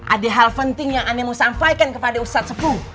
ada hal penting yang animo sampaikan kepada ustadz sepuh